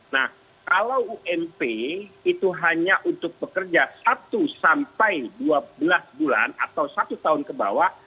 nah kalau ump itu hanya untuk pekerja satu sampai dua belas bulan atau satu tahun ke bawah